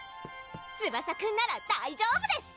ツバサくんなら大丈夫です！